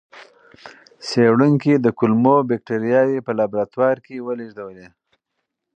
څېړونکي د کولمو بکتریاوې په لابراتوار کې ولېږدولې.